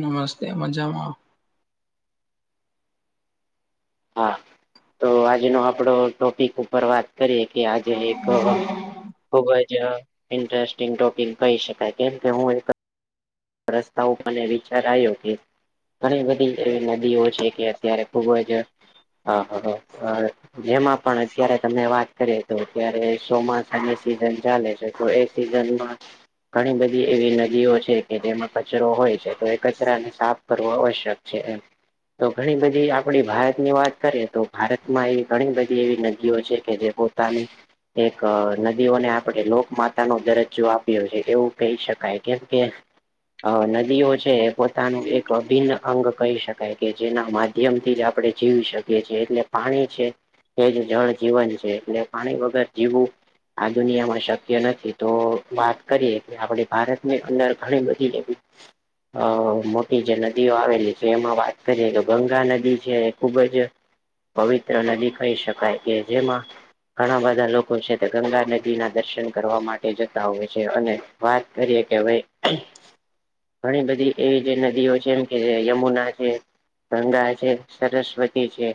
નમસ્તે મજામાં. હા તો આજનો આપડો ટોપિક ઉપર વાત કરીએ કે આજે એક ખુબ જ અ ઇન્ટરેસ્ટિંગ ટોપિક કહી શકાય કેમ કે હું રસ્તા ઉપરને વિચાર આવ્યો કે ઘણી બધી એવી નદીઓ છે કે અત્યારે ખુબ જ, હા, હા. જેમાં પણ અત્યારે તમને વાત કરીએ તો અત્યારે ચોમાસાની સિઝન ચાલે છે તો એ સીઝનમાં ઘણી બધી એવી નદીઓ છે કે જેમાં કચરો હોય છે તો એ કચરાને સાફ કરવો આવશ્યક છે એમ. તો ઘણી બધી આપડી ભારત ની વાત કરીએ તો ભારતમાં એવી ઘણી બધી એવી નદીઓ છે કે જે તાની એક નદીઓને આપણે લોકમાતા નો દરજ્જો આપ્યો છે એવું કહી શકાય કેમ કે અ નદીઓ છે એ પોતાનું એક અભિન્ન અંગ કહી શકાય કે જેના મા માધ્યમથી જ આપણે જીવી શકીએ છીએ એટલે પાણી છે તે જ જળ જીવન છે એટલે પાણી વગર જીવવું આ દુનિયા માં શક્ય નથી તો વાત કરીએ કે આપડી ભારત ની અંદર ઘણી બધી એવી અ મોટી જે નદીઓ આવેલી છે એમાં વાત કરીએ તો ગંગા નદી છે એ ખુબ જ પવિત્ર નદી કહી શકાય કે જેમાં ઘણા બધા લોકો છે તે ગંગા નદી ના દર્શન કરવા માટે જતા હોય છે અને વાત કરીએ કે હવે ઘણી બધી એવી જે નદીઓ છે એમ કે જે યમુના છે ગંગા છે, સરસ્વતી છે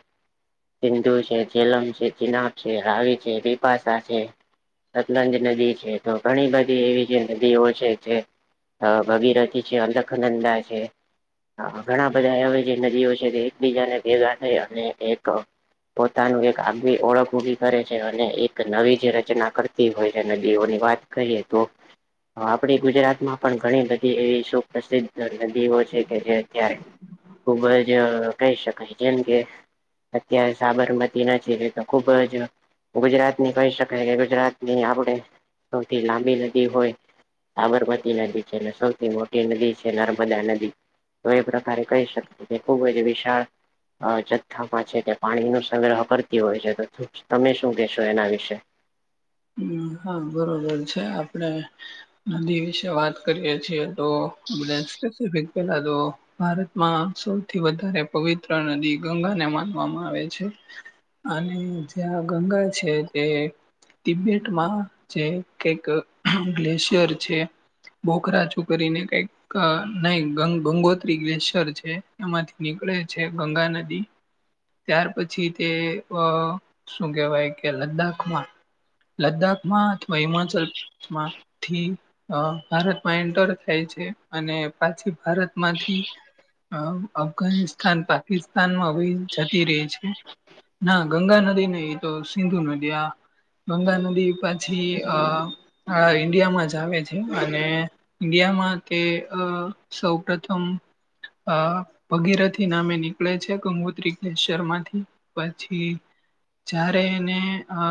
સિંધુ છે, જેલમ છે, ચિનાબ છે, રાવી છે, બીપાસા છે સતલંજ નદી છે તો ઘણી બધી એવી જે નદીઓ છે જે અ ભગીરથી છે, અલખનંદા છે હ ઘણા બધા એવા જે નદીઓ છે જે એકબીજાને ભેગા થઈ અને એક પોતાનું એક આગવી ઓળખ ઉભી કરે છે અને એક નવી જે રચના કરતી હોય એ નદીઓની વાત કરીએ તો આપડી ગુજરાત માં પણ ઘણી બધી એવી પ્રસિદ્ધ નદીઓ છે કે જે અત્યારે ખુબ જ કહી શકાય. જેમ કે અત્યારે સાબરમતી ના છેડે તો ખુબ જ ગુજરાતની કહી શકાય કે ગુજરાત ની આપણી સૌથી લાંબી નદી હોય સાબરમતી નદી છે અને સૌથી મોટી નદી છે નર્મદા નદી. તો એ પ્રકારે કહી શકાય કે ખૂબ જ વિશાળ અ જથ્થામાં છે કે પાણી નું સંગ્રહ કરતી હોય છે તો તમે શું કેહેશો એના વિશે? હ હા બરોબર છે આપડે નદી વિશે વાત કરીએ છે તો આપ સ્પેસફિક પેલા તો ભારતમાં સૌથી વધારે પવિત્ર નદી ગંગાને માનવામાં આવે છે. અને જ્યાં ગંગા છે તે તિબેટમાં જે કઈક ગ્લેશિયર છે બોખરા છો કરીને કઈક નહી ગં ગંગોત્રી ગ્લેશર છે. એમાંથી નીકળે છે ગંગા નદી ત્યાર પછી તે અ શું કેહેવાય કે લદ્દાખમાં લદ્દાખમાં અથવા હિમાચલ માંથી અ ભારતમાં એન્ટર થાય છે અને પાછી ભારતમાંથી અ અફઘાનિસ્તાન, પાકિસ્તાનમાં વહીને જતી રહે છે. ના ગંગા નદી નહી ઇ તો સિંધુ નદી આ. ગંગા નદી પાછી અ આ ઈન્ડિયામાં જ આવે છે અને ઇન્ડિયામાં તે અ સૌપથમ અ ભગીરથી નામે નીકળે છે, ગંગોત્રી. શર્માથી પછી જારે એને અ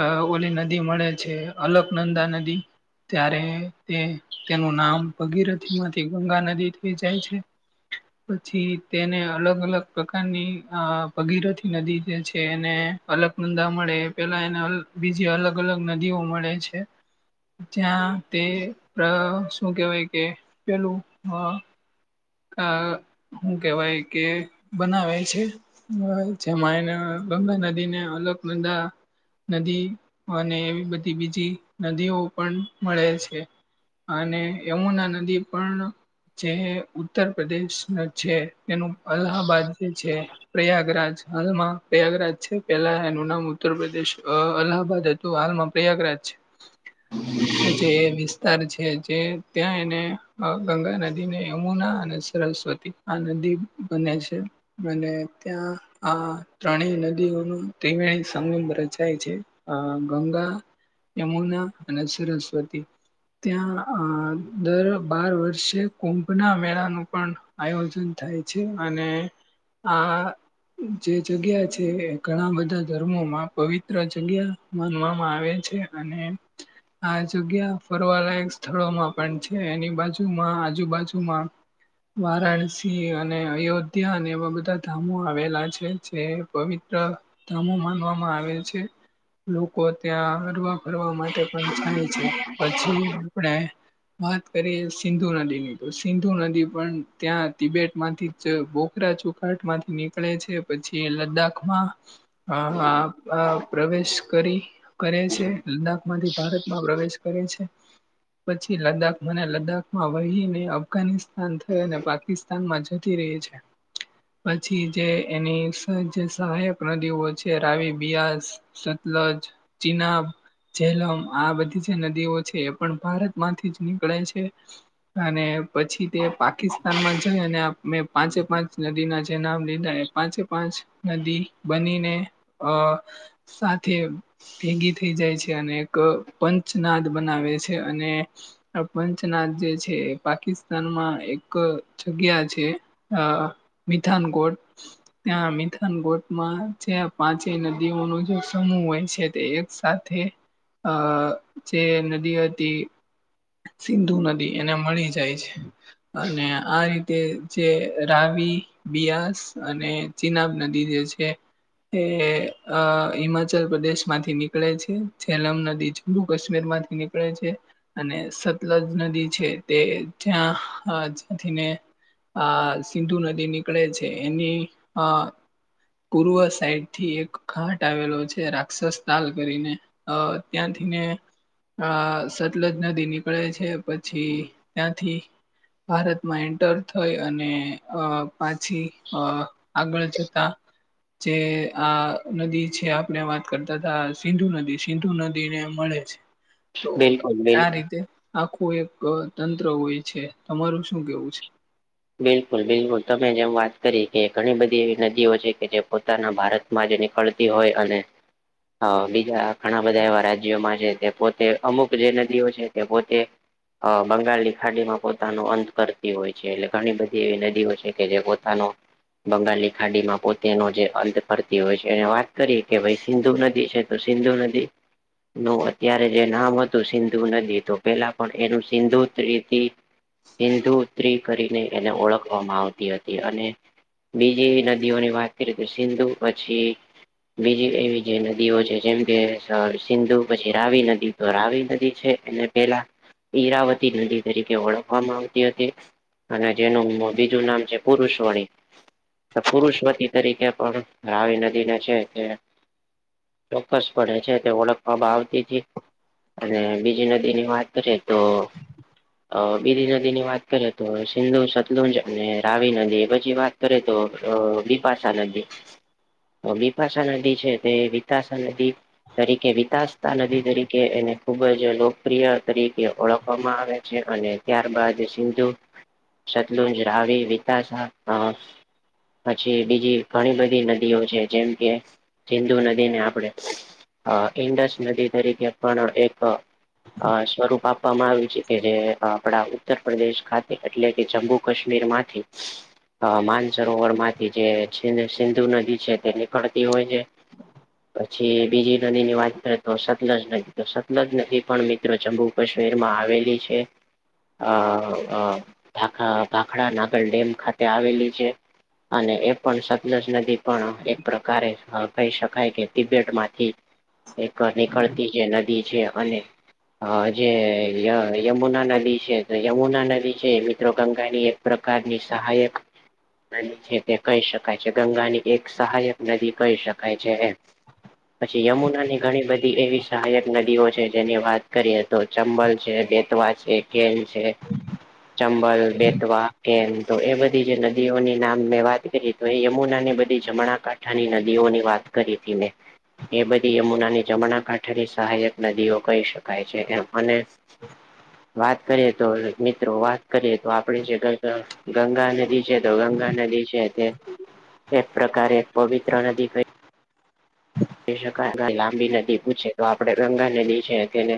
અ ઓલી નદી મળે છે, અલખનંદા નદી ત્યારે તે તેનું નામ ભગીરથમાંથી ગંગા નદી થઇ જાય છે. પછી તેને અલગ અલગ પ્રકારની અ ભગીરથી નદી જે છે એને અલખનદા મળે પેલા એને બીજી અલગ અલગ નદીઓ મળે છે. જ્યાં તે-ર-શું કહેવાય કે પેલું હ અ હું કેહેવાય કે બનાવે છે. [unintelligible] જેમાં એને ગંગા નદીને અલકનંદા નદી અને એવી બધી બીજી નદીઓ પણ મળે છે. અને યમુના નદી પણ જે ઉત્ ત્તર પ્રદેશનું છે, તેનું અલ્લાહાબાદ જે છે, પ્રયાગરાજ હાલમાં પ્રયાગરાજ છે, પેલા એનું નામ ઉત્તર પ્રદેશ અ-અલ્હાબાદ હતું હાલમાં પ્રયાગરાજ છે. પછી એજ વિસ્તાર છે જે ત્યાં એને અ ગંગા નદીને યમુના અ ને સરસ્વતી આ નદી બને છે અને ત્યાં આ ત્રણેય નદીઓનો ત્રિવેણી સંગમ રચાય છે, અ ગંગા યમુના અને સરસ્વતી. ત્યાં દર બાર વર્ષે કુંભના મેળાનું પણ આયોજન થાય છે અને આ જે જગ્યા છે એ ઘણા બધા ધર્મોમાં પવિત્ર જગ્યા માનવામાં આવે છે અને આ જગ્યા ફરવાલાયક સ્થળોમાં પણ છે, એની બાજુમાં આજુબાજુમાં વારાણસી અને અયોધ્યા અને એવા બધા ધામો આવેલા છે જે પવિત્ર ધામો માનવામાં આવે છે, લોકો ત્યાં હરવા ફરવા માટે પણ જાય છે, પછી આપણે વાત કરીએ સિંધુ નદીની, તો સિંધુ નદી પણ ત્યાં તિબેટમાંથી જ બોખરા ચોખાટમાંથી નીકળે છે પછી લદાખમાં હ-હાં-અ પ્રવેશ કરી કરે છે, લદાખમાંથી ભારતમાં પ્રવેશ કરે છે. પછી લદાખ અને લદાખમાં વહીને અફઘાનિસ્તાન થય અને પાકિસ્તાનમાં જતી રહી છે. પછી જે એની સહજ સહાયકારીઓ છે રાવિ, બિયાસ, સતલજ, ચિનાબ જેલોન આ બધી જે નદીઓ છે એ પણ ભારત માંથી જ નીકળે છે. અને પછી તે પાકિસ્તાનમાં જાય અને મેં પાંચે પાંચ નદીના જે નામ લીધા એ પાંચે પાંચ નદી બનીને અ સાથે ભેગી થઈ જાય છે અને એક પંચનાદ બનાવે છે અને પંચનાથ જે છે પાકિસ્ તાન માં એક જગ્યા છે અ મિથાનકોટ ત્યાં મિથાનકોટમાં જે પાંચેય નદીઓનો જે સમૂહ હોય છે તે એક સાથ તે અ જે નદી હતી સિંધુ નદી એને મળી જાય છે. અને આ રીતે જે રાવિ, બિયાસ અને ચિનાબ નદી જે છે એ અ હિમા ચલ પ્રદેશમાંથી નીકળે છે. ઝેલમ નદી જમ્મુ કાશ્મીરમાંથી નીકળે છે. અને સતલજ નદી છે તે જ્યાં હા જ થી ને આ સિંધુ નદી નીકળે છે એની અ પૂર્વ સાઈડ થી એક ઘાટ આવેલો છે રાક્ષસ તાલ કરીને અ ત્યાંથી ને આ સતલજ નદી નીકળે છે પછી ત્યાંથી ભારતમાં એન્ટર થઈ અને અ પાછી અ આગળ જતા જે આ નદી છે આપણે વાત કરતા હતા સિંધુ નદી સિંધુ નદી ને મળે છે. તો બિલકુલ આ બિલકુલ રીતે આખું એક તંત્ર હોય છે. તમારું શું કેવું છે? બિલકુલ, બિલકુલ. તમે જેમ વાત કરી કે ઘણી બધી એવી નદીઓ છે કે જે પોતાના ભારત માં જે નીકરતી હોય અને અ બીજા ઘણા બધા એવા રાજ્યોમાં છે તે પોતે અમુક જે નદીઓ છે તે પોતે અ બંગાળ ખાડીમાં પોતાનો અંત કરતી હોય છે એટલે ધણી બધી એવી નદીઓ છે જે પોતાનો બંગાલી ખાડીમાં પોતેનો જે અંત કરતી હોય છે એ વાત કરી કે ભઈ સિંધુ નદી છે તો સિંધુ નદી નું અત્યારે જે નામ હતું સિંધુ નદી તો પહેલા પણ એનું સિંધુ ઉત્રી થી હિન્દુ ઉત્રી કરીને એને ઓળખવામાં આવતી હતી અને બીજી એવી નદીઓની વાત કરીએ તો સિંધુ પછી બીજી એવી જે નદીઓ છે જેમ કે સ સિંધુ પછી રાવી નદી તો રાવી નદી છે એને પહેલા ઈરાવતી નદી તરીકે ઓળખવામાં આવતી હતી અને જેનું બીજું નામ છે પુરુષ વણી આ પુરુષવતી તરીકે પણ રાવી નદીને છે તે ચોક્કસ પડે છે તે ઓળખવામાં આવતીતી અને બીજી નદીની વાત કરીએ તો અ બીજી નદીની વાત કરીએ તો હ સિંધુ, સતલુંજ અને રાવી નદી એ પછી વાત કરી તો બીપાસા નદી તો બિપાસા નદી છે તે વિતાસા નદી તરીકે વિતાાસતા નદી તરીકે એને ખુબ જ લોકપ્રિય તરીકે ઓળખવામાં આવે છે અને ત્યારબાદ સિંધુ સતલુજ, રાવી, વિતશા હ પછી બીજી ઘણી બધી નદીઓ છે જેમ કે સિંધુ નદીને આપણેે અ ઈડસ નદી તરીકે પણ એક અ સ્વરૂપ આપવામાં આવ્યું છે કે જે આપડા ઉત્તરપ્રદેશ ખાતે એટલે કે જમ્મુ કાશ્મીરમાંથી અ માનસરોવર માંથી જે છે ને સિંધુ નદી છે તે છે નીકળતિ હોય છે. પછી બીજી નદી ની વાત કરે તો સતલજ નદી તો સતલજ નદી પણ મિત્રો જબુ કશ્મીર માં આવેલી છે, આ આ ભાખડા નાગર ડેમ ખાતે આવેલી છે અને એ પણ સતલજ નદી પણ એક પ્રકારે કહી શકાય કે તિબેટમાંથી એક નીકળતી જે નદી છે અને હ જે ય યમુના નદી છે તો યમુના નદી છે તો ગંગાની એક પ્રકારની સહાયક નદી છે તે કહી શકાય છે ગંગાની એક સહાયક નદી કહી શકાય છે એમ. પછી યમુના ની ઘણી બધી એવી સહાયક નદીઓ છે જેની વાત કરીએ તો ચંબલ છે, બેતવા છે, કેલ છે ચંબલ, બેટવા, કેમ તો એ બધી જે નદીઓની નામ મેં વાત કરી તો એ યમુના ની બધી જમણા કાંઠાની નદીઓની વાત કરી તી મેં. એ બધી યમુનાની જમણા કાંઠાની સહાયક નદીઓ કહી શકાય છે એમ. અને વાત કરીએ તો મિત્રો વાત કરીએ તો આપડે જે ગં ગંગા નદી જે તો ગંગા નદી છે તે એક પ્રકારે પવિત્ર નદી કઈ શકાય લાંબી નદી પૂછે તો આપણે ગંગા નદી છે તેને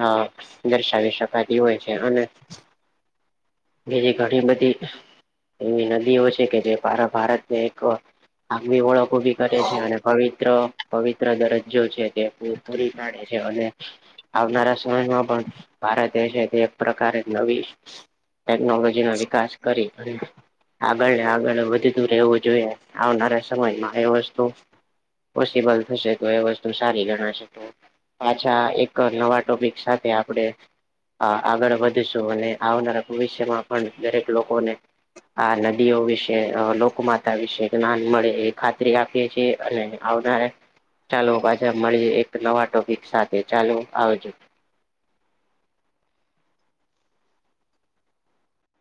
હા દર્શાવી શકાતી હોય છે અને એવી ઘણી બધી એવી નદીઓ છે કે જે ભારા ભારતને એક આગવી ઓળખ ઊભી કરે છે અને પવિત્ર પવિત્ર દરજ્જો છે તે પૂરી પાડે છે અને આવનારા સમયમાં પણ ભારત દેશ એક પ્રકારે નવી ટેકનોલોજી નો વિકાસ કરી અને આગળ ને આગળ વધતું રહેવું જોઈએ આવનારા સમયમાં એ વસ્તુ પોસિબલ થશે તો એ વસ્તુ સારી ગણાશે તો પાછા એક નવા ટોપિક સાથે આપડે અ આગળ વધીશું અને આવનારા ભવિષ્યમાં પણ દરેક લોકોને આ નદીઓ વિશે લોકમાતા વિશે જ્ઞાન મળે એ ખાતરી આપ આપીએ છીએં અને આવનારા ચાલો પાછા મળીએ એક નવા ટોપિક સાથે ચાલો આવજો.